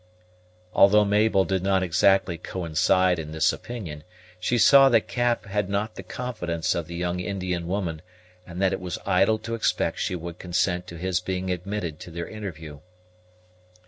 Although Mabel did not exactly coincide in this opinion, she saw that Cap had not the confidence of the young Indian woman, and that it was idle to expect she would consent to his being admitted to their interview.